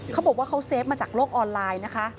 เขาบอกว่าเขาเซฟมาจากโลกออนไลน์นะคะ